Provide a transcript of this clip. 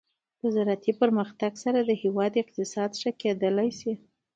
د زراعتي پرمختګ سره د هیواد اقتصاد ښه کیدلی شي.